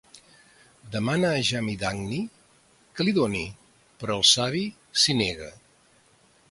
Demana a Jamadagni que li doni, però el savi s'hi nega.